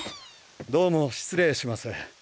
どうも失礼します。